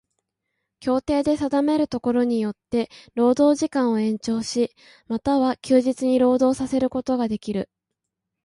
協定で定めるところによつて労働時間を延長し、又は休日に労働させることができる。